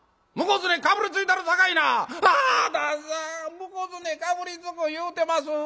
『向こうずねかぶりつく』言うてます！」。